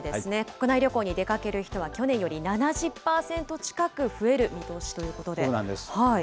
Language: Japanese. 国内旅行に出かける人は去年より７０％近く増える見通しというこそうなんです。